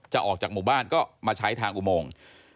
ออกจากหมู่บ้านก็มาใช้ทางอุโมง